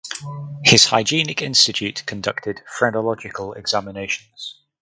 His hygienic institute conducted phrenological examinations.